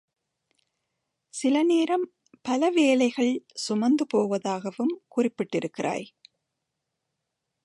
சில நேரம் பல வேலைகள் சுமந்து போவதாகவும் குறிப்பிட்டிருக்கிறாய்.